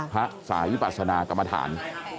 พระสาวิปสาณากรรมฐาน